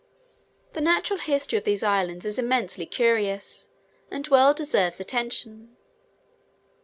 The natural history of these islands is eminently curious, and well deserves attention.